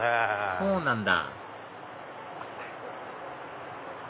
そうなんだ